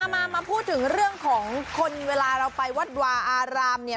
มาพูดถึงเรื่องของคนเวลาเราไปวัดวาอารามเนี่ย